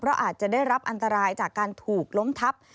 เพราะอาจจะได้รับอันตรายจากการถูกล้มทับ